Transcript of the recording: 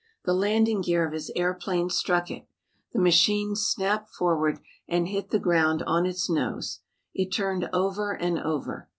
The landing gear of his airplane struck it. The machine snapped forward and hit the ground on its nose. It turned over and over.